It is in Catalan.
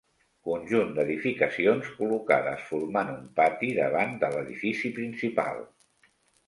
Conjunt d'edificacions col·locades formant un pati davant de l'edifici principal.